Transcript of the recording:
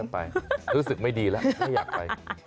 ไปรู้สึกไม่ดีแล้วไม่อยากไป